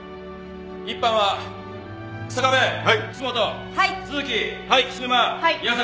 １班は日下部楠本都築菱沼宮坂。